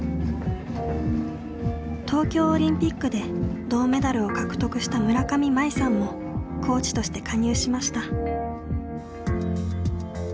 東京オリンピックで銅メダルを獲得した村上茉愛さんもコーチとして加入しました。